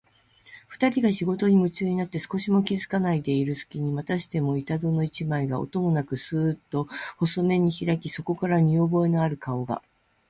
ふたりが仕事にむちゅうになって少しも気づかないでいるすきに、またしても板戸の一枚が、音もなくスーッと細めにひらき、そこから見おぼえのある顔が、